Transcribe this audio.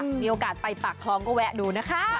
มีโอกาสไปปากคลองก็แวะดูนะคะ